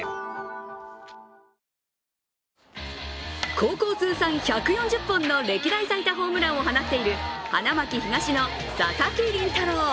高校通算１４０本の歴代最多ホームランを放っている花巻東の佐々木麟太郎。